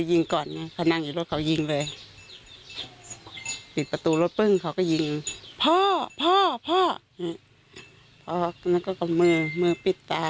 หลุมรดปึ้งเขาก็ยิงพ่อพ่อพ่อพ่อบีมันก็ก็มือมือปิดตา